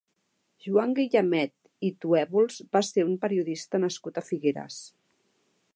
Joan Guillamet i Tuèbols va ser un periodista nascut a Figueres.